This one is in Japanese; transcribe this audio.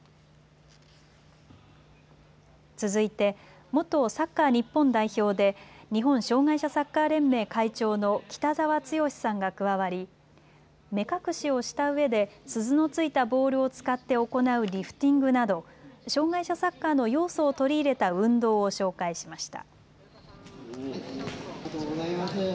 続いて元サッカー日本代表で日本障がい者サッカー連盟会長の北澤豪さんが加わり、目隠しをしたうえで鈴のついたボールを使って行うリフティングなど障害者サッカーの要素を取り入れた運動を紹介しました。